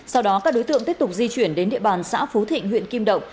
sau đó các đối tượng tiếp tục di chuyển đến địa bàn xã phú thịnh huyện kim động